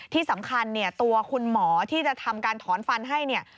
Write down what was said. ที่สำคัญตัวคุณหมอที่จะทำการถอนฟันให้